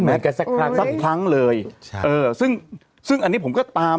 ไม่เหมือนกันสักครั้งเลยซึ่งอันนี้ผมก็ตาม